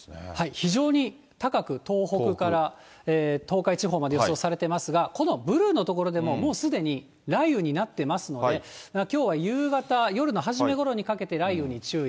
非常に高く、東北から東海地方まで予想されてますが、このブルーの所でも、もうすでに雷雨になってますので、きょうは夕方、夜のはじめごろにかけて、雷雨に注意。